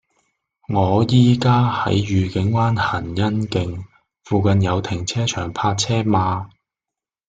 我依家喺愉景灣蘅欣徑，附近有停車場泊車嗎